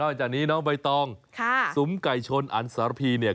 จากนี้น้องใบตองค่ะซุ้มไก่ชนอันสารพีเนี่ย